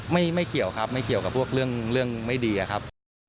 ไม่เกี่ยวครับไม่เกี่ยวกับพวกเรื่องไม่ดีอะครับ